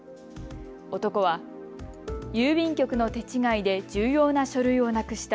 男は郵便局の手違いで重要な書類をなくした。